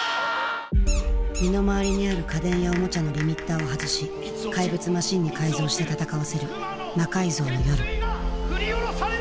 身の回りにある家電やおもちゃのリミッターを外し怪物マシンに改造して戦わせる「魔改造の夜」。